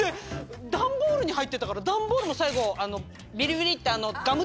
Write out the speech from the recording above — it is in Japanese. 段ボールに入ってたから段ボールも最後ビリビリって。